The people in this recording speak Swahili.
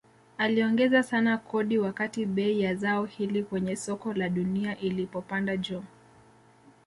Aliongeza sana kodi wakati bei ya zao hili kwenye soko la dunia ilipopanda juu